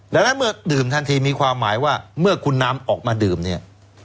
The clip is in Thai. ดังนั้นเมื่อดื่มทันทีมีความหมายว่าเมื่อคุณน้ำออกมาดื่มเนี่ย